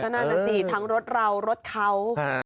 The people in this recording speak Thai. นั่นน่ะสิทั้งรถเรารถเขา